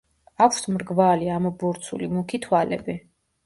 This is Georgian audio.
აქვს მრგვალი, ამობურცული, მუქი თვალები.